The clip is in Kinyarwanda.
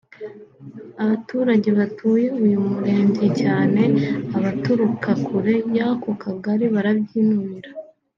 Abaturage batuye uyu Murenge cyane abaturuka kure y’ako Kagali barabyinubira